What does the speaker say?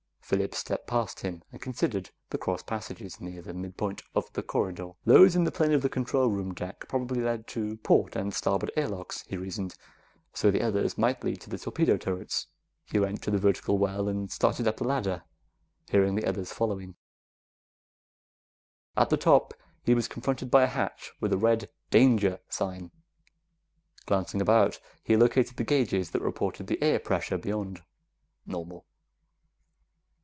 Phillips stepped past him and considered the cross passages near the midpoint of the corridor. Those in the plane of the control room deck probably led to port and starboard airlocks, he reasoned, so the others might lead to the torpedo turrets. He went to the vertical well and started up the ladder, hearing the others follow. At the top, he was confronted by a hatch with a red danger sign. Glancing about, he located the gauges that reported the air pressure beyond. Normal.